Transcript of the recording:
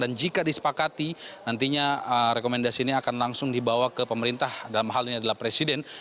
jika disepakati nantinya rekomendasi ini akan langsung dibawa ke pemerintah dalam hal ini adalah presiden